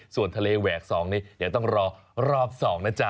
ส่วนทะเลแหวก๒นี้เดี๋ยวต้องรอรอบ๒นะจ๊ะ